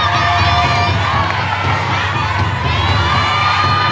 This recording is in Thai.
สวัสดีค่ะ